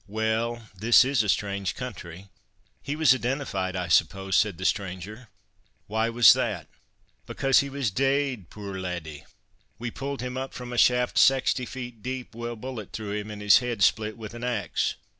Well, this is a strange country. He was identified, I suppose?" said the stranger. "Why was that?" "Because he was deid, puir laddie! We pulled him up from a shaft saxty feet deep, wi' a bullet through him, and his head split with an axe.